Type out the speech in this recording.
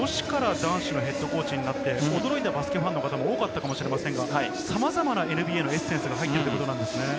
女子から男子のＨＣになって驚いたバスケファンの方も多かったかもしれませんが、さまざまなＮＢＡのエッセンスが入っていますよね。